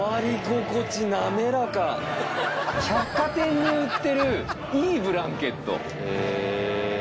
百貨店に売ってるいいブランケット。